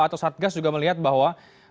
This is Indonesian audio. atau satgas juga melihat bahwa